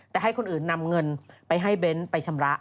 แต่ให้คนอื่นนำเงินไปให้เบ้นไปชำระ